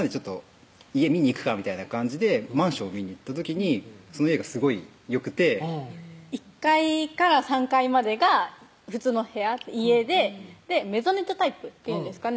「家見に行くか」みたいな感じでマンションを見に行った時にその家がすごいよくて１階から３階までが普通の部屋家でメゾネットタイプっていうんですかね